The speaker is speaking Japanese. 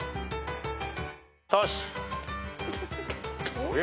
トシ。